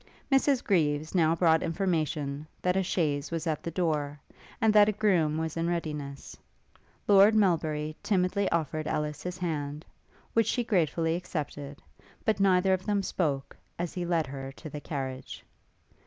Mrs Greaves now brought information, that a chaise was at the door, and that a groom was in readiness. Lord Melbury timidly offered Ellis his hand, which she gracefully accepted; but neither of them spoke as he led her to the carriage.